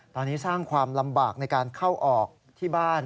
ตอนนี้สร้างความลำบากในการเข้าออกที่บ้าน